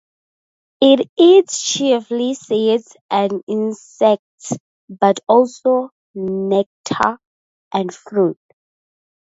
It eats chiefly seeds and insects, but also nectar and fruit.